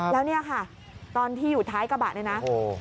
แล้วเนี่ยค่ะตอนที่อยู่ท้ายกระบะเนี่ยนะ